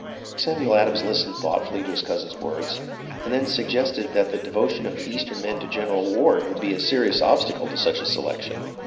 Samuel Adams listened thoughtfully to his cousin's words, and then suggested that the devotion of the east ern men to General Ward would be a serious obstacle to such a selection.